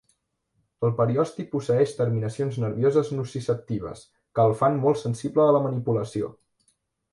El periosti posseeix terminacions nervioses nociceptives, que el fan molt sensible a la manipulació.